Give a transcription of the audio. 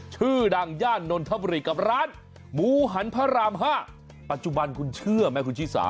ชื่อดังย่านนทบุรีกับร้านหมูหันพระราม๕ปัจจุบันคุณเชื่อไหมคุณชิสา